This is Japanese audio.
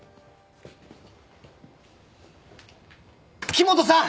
木元さん！